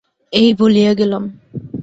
এই বলিয়া গেলাম।